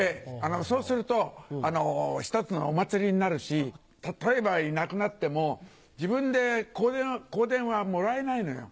そうすると一つのお祭りになるし例えばいなくなっても自分で香典はもらえないのよ。